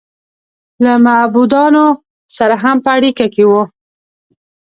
له معبودانو سره هم په اړیکه کې و